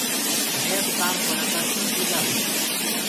مين اب ڪآم ڪونآ ڪرسون سو جآسون